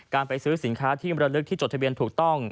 การไปซื้อสินค้าที่มรลึกที่จดทะเบียนถูกต้อง